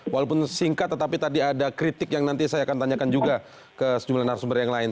walaupun singkat tetapi tadi ada kritik yang nanti saya akan tanyakan juga ke sejumlah narasumber yang lain